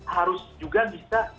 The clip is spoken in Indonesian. harus juga bisa